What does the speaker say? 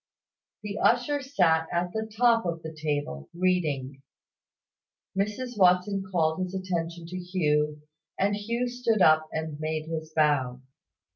The usher sat at the top of the table, reading. Mrs Watson called his attention to Hugh; and Hugh stood up and made his bow.